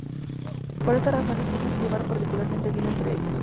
Por estas razones, siempre se llevaron particularmente bien entre ellos.